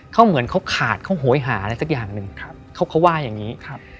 เค้าเหมือนเค้าขาดเค้าโหยหาอะไรสักอย่างนึงเค้าว่าอย่างนี้